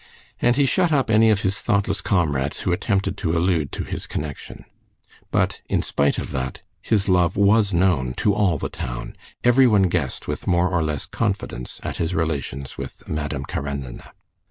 And he shut up any of his thoughtless comrades who attempted to allude to his connection. But in spite of that, his love was known to all the town; everyone guessed with more or less confidence at his relations with Madame Karenina.